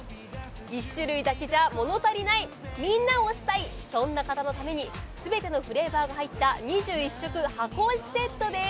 １種類だけじゃ物足りないみんな推したいそんな方のために全てのフレーバーが入った２１色箱推しセットです。